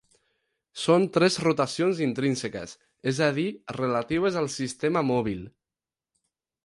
Són tres rotacions intrínseques, és a dir, relatives al sistema mòbil.